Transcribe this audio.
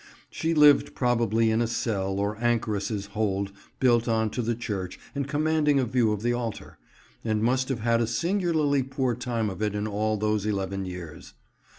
She lived probably in a cell or anchoress's hold built on to the church and commanding a view of the altar, and must have had a singularly poor time of it in all those eleven years.